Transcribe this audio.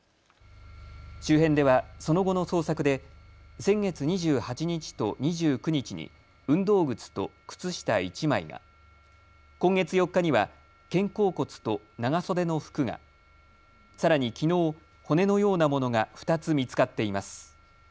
周辺ではその後の捜索で先月２８日と２９日に運動靴と靴下１枚が、今月４日には肩甲骨と長袖の服が、さらにきのう骨のようなものが２つ見つかっています。